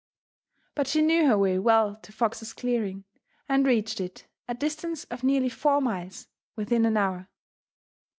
But she knew her way well to Fox's clearing, and reached it, a distance of nearly four miles, within an hour.